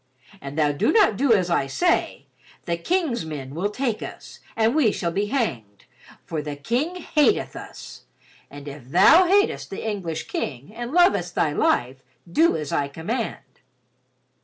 And thou do not do as I say, the King's men will take us and we shall be hanged, for the King hateth us. If thou hatest the English King and lovest thy life do as I command."